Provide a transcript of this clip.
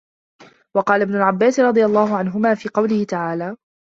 وَقَالَ ابْنُ عَبَّاسٍ رَضِيَ اللَّهُ عَنْهُمَا فِي قَوْله تَعَالَى